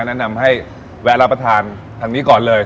แนะนำให้แวะรับประทานทางนี้ก่อนเลย